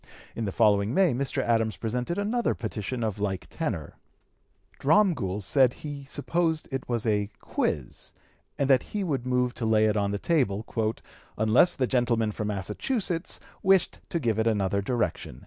In the following May Mr. Adams presented another petition of like tenor. Dromgoole said that he supposed it was a "quiz," and that he would move to lay it on the table, "unless the gentleman from Massachusetts wished to give it another direction."